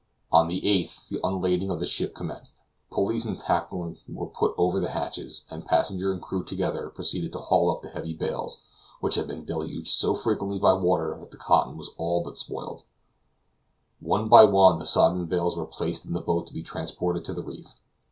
On the 8th the unlading of the ship commenced. Pulleys and tackling were put over the hatches, and passengers and crew together proceeded to haul up the heavy bales which had been deluged so frequently by water that the cotton was all but spoiled. One by one the sodden bales were placed in the boat to be transported to the reef.